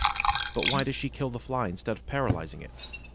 But why does she kill the Fly instead of paralyzing it?